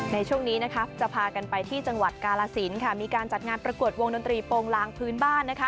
ในช่วงนี้นะคะจะพากันไปที่จังหวัดกาลสินค่ะมีการจัดงานประกวดวงดนตรีโปรงลางพื้นบ้านนะคะ